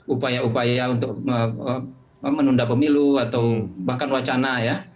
upaya upaya untuk menunda pemilu atau bahkan wacana ya